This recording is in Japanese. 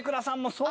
そう！